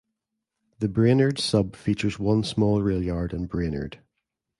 The Brainerd Sub features one small rail yard in Brainerd.